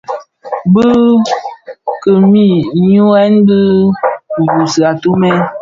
Bi kilmi nhyughèn dhi kibuusi atumè.